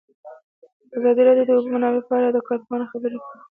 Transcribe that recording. ازادي راډیو د د اوبو منابع په اړه د کارپوهانو خبرې خپرې کړي.